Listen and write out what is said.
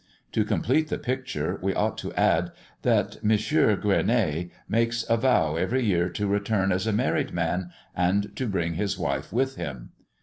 To complete the picture, we ought to add, that M. Gueronnay makes a vow every year to return as a married man, and to bring his wife with him.